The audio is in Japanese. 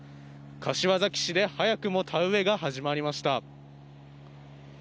柏崎市で早くも田植えが始まりました。